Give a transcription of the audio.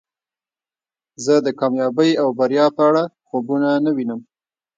زه د کامیابی او بریا په اړه خوبونه نه وینم